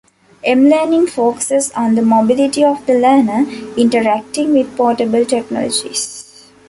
M-learning focuses on the mobility of the learner, interacting with portable technologies.